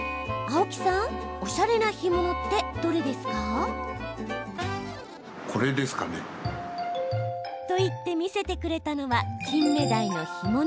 青木さん、おしゃれな干物ってどれですか？と言って見せてくれたのはきんめだいの干物。